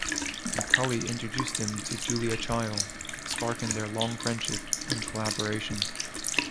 McCully introduced him to Julia Child sparking their long friendship and collaboration.